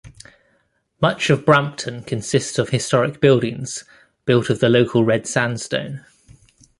Much of Brampton consists of historic buildings built of the local red sandstone.